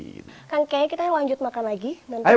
kan kayaknya kita lanjut makan lagi nanti